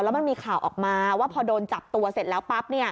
แล้วมันมีข่าวออกมาว่าพอโดนจับตัวเสร็จแล้วปั๊บ